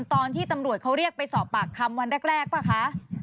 ตอนที่ตำรวจเขาเรียกไปสอบปากคำวันแรกป่ะคะ